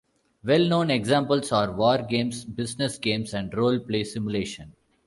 Well-known examples are war games, business games, and role play simulation.